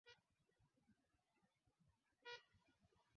Miaka michache baadae ikawa sehemu ya ufalme wake